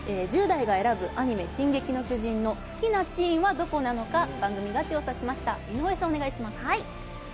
１０代が選ぶアニメ「進撃の巨人」の好きなシーンはどこなのか番組が調査しました。